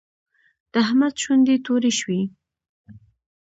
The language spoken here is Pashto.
د احمد شونډې تورې شوې.